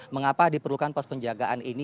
mengapa diperlukan pos penjagaan ini